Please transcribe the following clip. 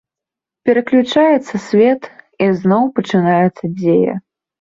Пераключаецца свет, і зноў пачынаецца дзея.